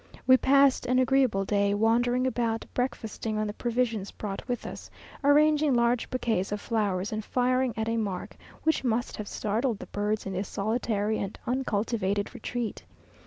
We passed an agreeable day, wandering about, breakfasting on the provisions brought with us, arranging large bouquets of flowers, and firing at a mark, which must have startled the birds in this solitary and uncultivated retreat.